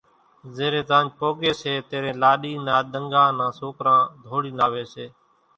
زيرين زاڃ پوڳيَ سي تيرين لاڏِي نا ۮنڳا نان سوڪران ڌوڙينَ آويَ سي۔